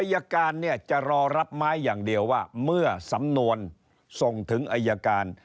อายการเนี่ยจะรอรับไม้อย่างเดียวว่าเมื่อสำนวนส่งถึงอายการ